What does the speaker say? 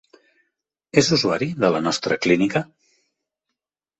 És usuari de la nostra clínica?